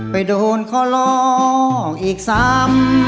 ไปโดนข้อลอกอีกซ้ำ